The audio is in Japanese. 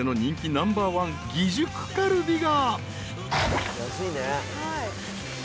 ナンバーワン義塾カルビが］